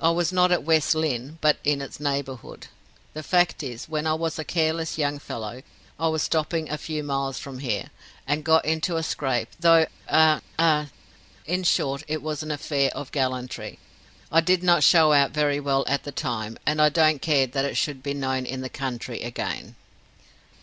I was not at West Lynne, but in its neighborhood. The fact is, when I was a careless young fellow, I was stopping a few miles from here, and got into a scrape, through a a in short it was an affair of gallantry. I did not show out very well at the time, and I don't care that it should be known in the country again."